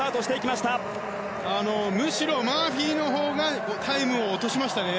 むしろマーフィーのほうがタイムを落としましたね。